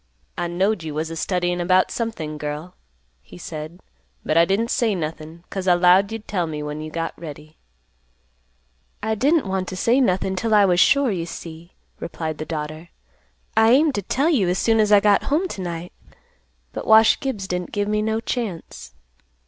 "I knowed you was a studyin' about something, girl," he said, "but I didn't say nothin', 'cause I 'lowed you'd tell me when you got ready." "I didn't want to say nothing 'til I was sure, you see," replied the daughter. "I aimed to tell you as soon as I got home to night, but Wash Gibbs didn't give me no chance."